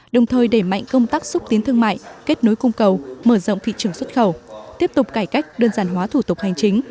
đồng thời đẩy mạnh công tác xúc tiến thương mại kết nối cung cầu mở rộng thị trường xuất khẩu tiếp tục cải cách đơn giản hóa thủ tục hành chính